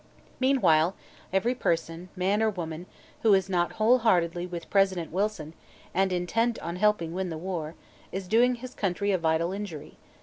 Meanwhile, every person man or woman who is not whole heartedly with President Wilson and intent on helping win the war, is doing his country a vital injury.